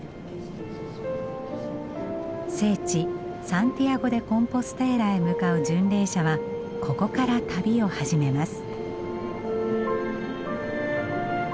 聖地サンティアゴ・デ・コンポステーラへ向かう巡礼者はここから旅を始めます。